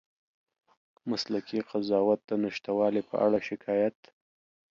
مسلکي قضاوت د نشتوالي په اړه شکایت